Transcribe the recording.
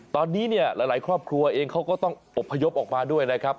ตอนนี้เนี่ยหลายครอบครัวเองเขาก็ต้องอบพยพออกมาด้วยนะครับ